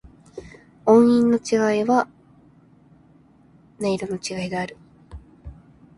音韻の違いは、音色の違いである。